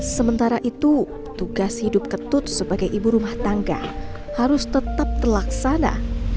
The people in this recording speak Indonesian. sementara itu tugas hidup ketut sebagai ibu rumah tangga harus tetap terlaksana